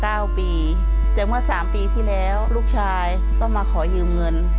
เก้าปีแต่เมื่อสามปีที่แล้วลูกชายก็มาขอยืมเงิน